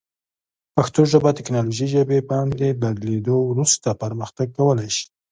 پښتو ژبه تکنالوژي ژبې باندې بدلیدو وروسته پرمختګ کولی شي.